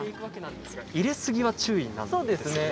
入れすぎは注意なんですよね？